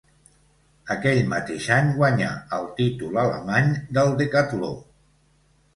Aquell mateix any guanyà el títol alemany del decatló.